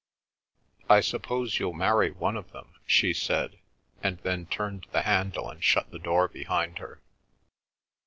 "I suppose you'll marry one of them," she said, and then turned the handle and shut the door behind her.